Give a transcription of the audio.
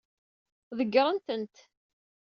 Ḍeggṛen-tent.